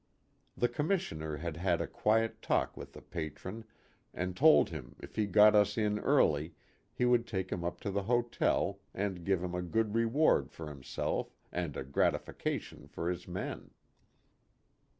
The Commissioner had had a quiet talk with the Patron and told him if he got us in early he would take him up to the hotel and give him a good reward for himself and a " gratification " for his men.